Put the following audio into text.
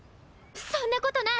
そんなことない！